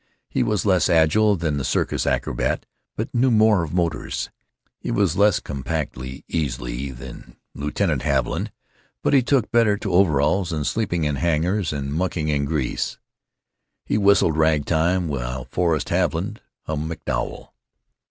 He was less agile than the circus acrobat, but knew more of motors. He was less compactly easy than Lieutenant Haviland, but he took better to overalls and sleeping in hangars and mucking in grease—he whistled ragtime while Forrest Haviland hummed MacDowell.